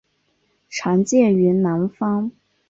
常见于南方。